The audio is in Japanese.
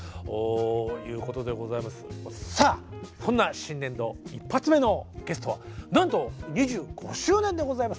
さあそんな新年度一発目のゲストはなんと２５周年でございます。